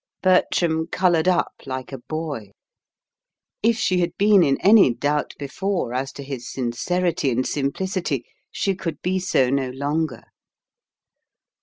Bertram coloured up like a boy. If she had been in any doubt before as to his sincerity and simplicity, she could be so no longer.